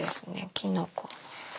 きのこ。